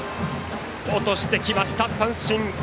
落としてきました、三振。